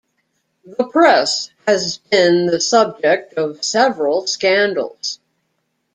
The Press has been the subject of several scandals.